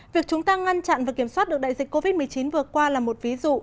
việc chúng ta ngăn chặn và kiểm soát được đại dịch covid một mươi chín vừa qua là một ví dụ